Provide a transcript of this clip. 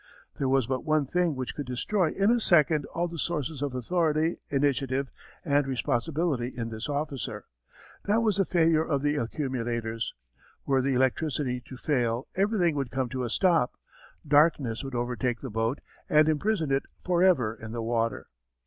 There was but one thing which could destroy in a second all the sources of authority, initiative, and responsibility in this officer. That was the failure of the accumulators. Were the electricity to fail everything would come to a stop. Darkness would overtake the boat and imprison it for ever in the water.